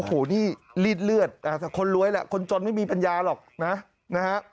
โอ้โหนี่รีดเลือดแต่คนรวยแหละคนจนไม่มีปัญญาหรอกนะนะฮะ